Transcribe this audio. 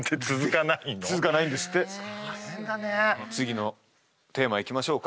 次のテーマいきましょうか。